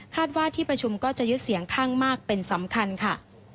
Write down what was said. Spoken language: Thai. ว่าที่ประชุมก็จะยึดเสียงข้างมากเป็นสำคัญค่ะ